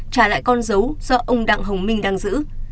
trả lại con dấu do ông đặng hồng minh đang giữ